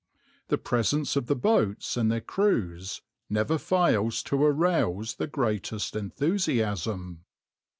The presence of the boats and their crews never fails to arouse the greatest enthusiasm.